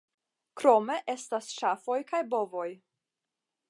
Krome estas ŝafoj kaj bovoj.